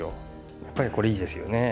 やっぱりこれいいですよね。